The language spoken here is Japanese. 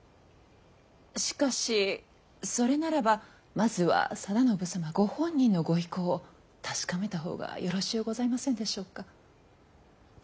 しかしそれならばまずは定信様ご本人のご意向を確かめたほうがよろしうございませんでしょうか。